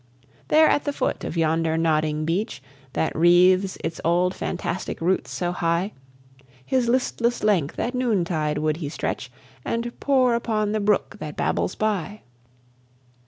"There at the foot of yonder nodding beech That wreathes its old fantastic roots so high, His listless length at noon tide would he stretch, And pore upon the brook that babbles by.